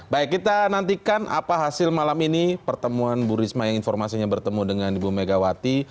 baik kita nantikan apa hasil malam ini pertemuan bu risma yang informasinya bertemu dengan ibu megawati